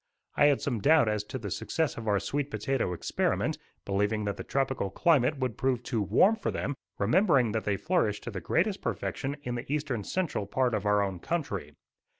I had some doubt as to the success of our sweet potato experiment, believing that the tropical climate would prove too warm for them, remembering that they flourish to the greatest perfection in the eastern central part of our own country.